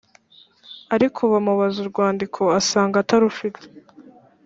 ariko bamubaza urwandiko asanga atarufite